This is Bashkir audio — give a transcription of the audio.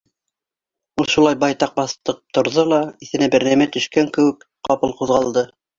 Ул шулай байтаҡ баҫып торҙо ла, иҫенә бер нәмә төшкән кеүек, ҡапыл ҡуҙғалды.